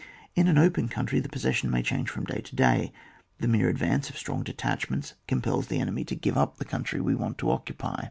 In an open country, the possession may change from day to day. The mere advance of strong detachments compels the enemy to give up the country we want to occupy.